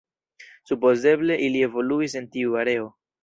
Supozeble ili evoluis en tiu areo.